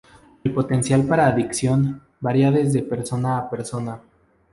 El potencial para adicción varía desde persona a persona.